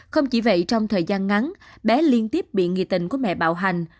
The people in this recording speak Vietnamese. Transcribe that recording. không chỉ vậy trong thời gian ngắn bé liên tiếp bị nghị tình của mẹ bạo hành